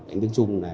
anh tướng trung